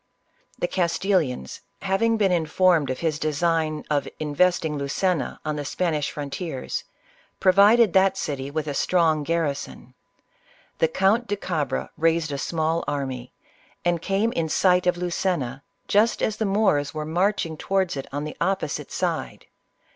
The Castilians having been informed of his design of investing Luceua on the Spanish frontiers, provided that city with a strong garrison. The Count de Cabra raised a small army, and came in sight of Lucena just as the Moors were marching towards it on the opposite side.